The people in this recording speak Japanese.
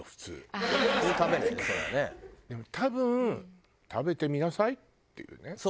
でも多分「食べてみなさい」っていうね。